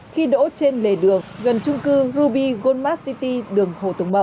khi đỗ trên lề đường gần trung cư ruby goldmark city đường hồ tùng mậu